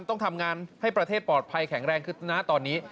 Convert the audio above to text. ต้องทำงานให้ประเทศปลอดภัยแข็งแรงขึ้นนะตอนนี้